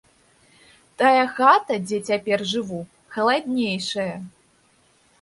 Тая хата, дзе цяпер жыву, халаднейшая.